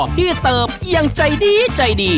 เติบยังใจดีใจดี